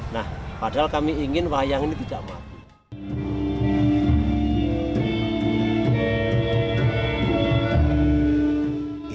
nah padahal kami ingin wayang ini tidak mati